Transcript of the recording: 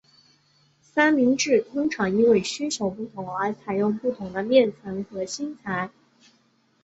三明治板通常因为需求不同而采用不同的面层和芯材。